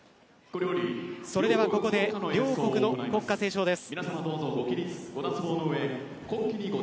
それではここで両国の国歌斉唱です。